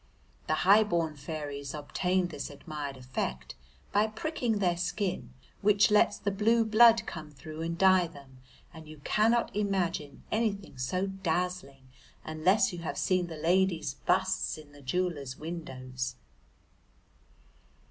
The high born fairies obtain this admired effect by pricking their skin, which lets the blue blood come through and dye them, and you cannot imagine anything so dazzling unless you have seen the ladies' busts in the jewellers' windows.